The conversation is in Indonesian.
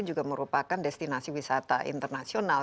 juga merupakan destinasi wisata internasional